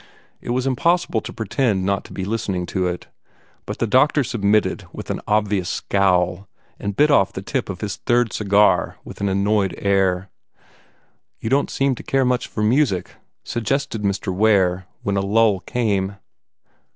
It was impossible to pretend not to be listening to it; but the doctor submitted with an obvious scowl, and bit off the tip of his third cigar with an annoyed air. "You don't seem to care much for music," suggested Mr. Ware, when a lull came.